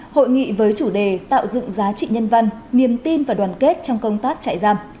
hội nghị với chủ đề tạo dựng giá trị nhân văn niềm tin và đoàn kết trong công tác trại giam